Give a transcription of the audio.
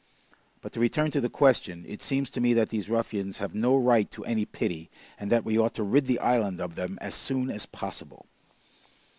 But to return to the question. It seems to me that these ruffians have no right to any pity, and that we ought to rid the island of them as soon as possible."